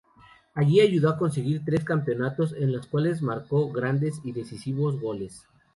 Allí ayudó a conseguir tres campeonatos, en los cuales marcó grandes y decisivos goles.